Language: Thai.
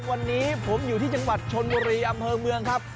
วันนี้ผมอยู่ที่จังหวัดชนบุรีอำเภอเมืองครับ